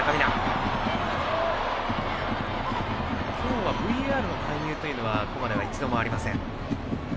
今日はＶＡＲの介入はここまで一度もありません。